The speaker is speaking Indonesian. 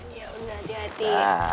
ya udah hati hati